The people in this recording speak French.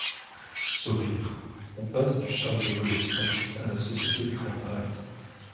(Sourires.) On passe du Charles-de-Gaulle Express à la Société du Grand Paris.